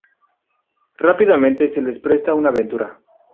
Rápidamente, se les presta una aventura.